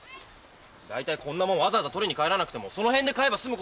大体こんなもんわざわざ取りに帰らなくてもその辺で買えば済むことだろう。